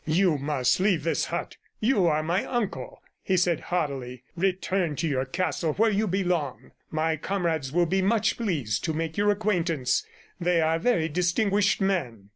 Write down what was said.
"You must leave this hut; you are my uncle," he said haughtily. "Return to your castle where you belong. My comrades will be much pleased to make your acquaintance; they are very distinguished men."